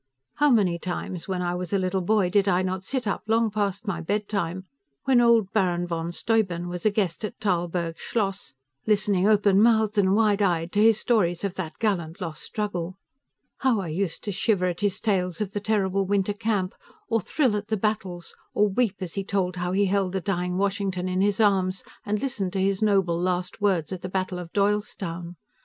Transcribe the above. How many times, when I was a little boy, did I not sit up long past my bedtime, when old Baron von Steuben was a guest at Tarlburg Schloss, listening open mouthed and wide eyed to his stories of that gallant lost struggle! How I used to shiver at his tales of the terrible winter camp, or thrill at the battles, or weep as he told how he held the dying Washington in his arms, and listened to his noble last words, at the Battle of Doylestown!